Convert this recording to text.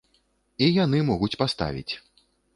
І яны могуць паставіць.